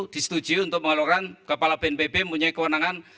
disetujui untuk mengeluarkan kepala bnpw punya kewenangan